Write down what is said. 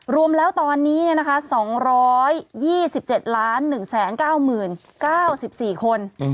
รวมแล้วตอนนี้๒๒๗๑๙๐๙๙๔คน